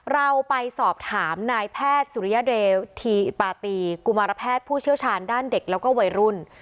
เราไปสอบถามนายแพทย์สุริยเดธีปาตีกุมารแพทย์ผู้เชี่ยวชาญด้านเด็กแล้วก็วัยรุ่น